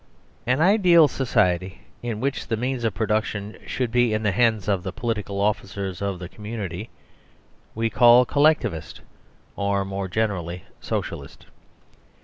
An ideal society in which the means of production should be in the hands of the political officers of the community we call Collectivist, or more generally Socialist.